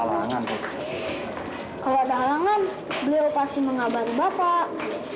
janganlah beliau pasti mengabar bapak